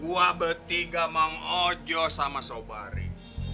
gua bertiga mau ngajau sama sobari